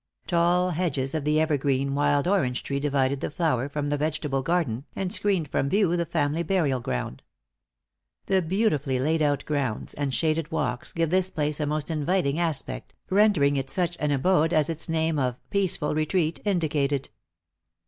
Tall hedges of the ever green wild orange tree divided the flower from the vegetable garden, and screened from view the family burial ground. The beautifully laid out grounds, and shaded walks, give this place a most inviting aspect, rendering it such an abode as its name of "Peaceful Retreat" indicated.